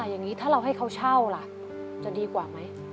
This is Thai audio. อย่างนี้ถ้าเราให้เขาเช่าล่ะจะดีกว่าไหม